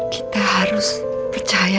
kita harus percaya